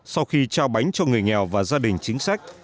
sau khi trao bánh cho người nghèo và gia đình chính sách